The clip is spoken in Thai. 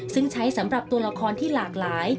ซึ่งใช้สำหรับตัวละครที่หลากหลาย